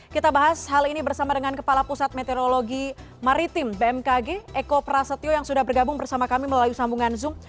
kita bahas hal ini bersama dengan kepala pusat meteorologi maritim bmkg eko prasetyo yang sudah bergabung bersama kami melalui sambungan zoom